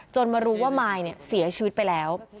มารู้ว่ามายเสียชีวิตไปแล้ว